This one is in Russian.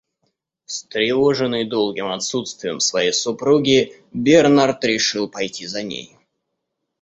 Встревоженный долгим отсутствием своей супруги, Бернард решил пойти за ней.